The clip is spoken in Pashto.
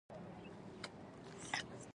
نو راځئ چې څو شېبې د تلقين پر کلمه تم شو.